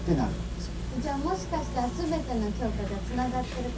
じゃあもしかしたら全ての教科がつながってるかもしれない？